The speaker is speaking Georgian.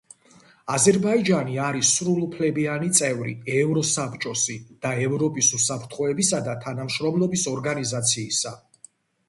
აზერბაიჯანი არის სრულუფლებიანი წევრი ევროსაბჭოსი და ევროპის უსაფრთხოებისა და თანამშრომლობის ორგანიზაციისა.